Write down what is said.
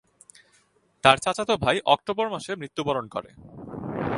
তার চাচাতো ভাই অক্টোবর মাসে মৃত্যুবরণ করে।